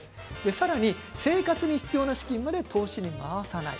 さらには生活に必要な資金まで投資に回さない。